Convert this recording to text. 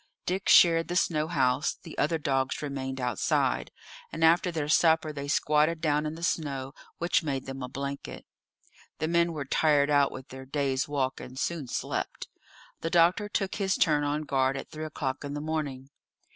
Dick shared the snow house; the other dogs remained outside, and after their supper they squatted down in the snow, which made them a blanket. The men were tired out with their day's walk, and soon slept. The doctor took his turn on guard at three o'clock in the morning.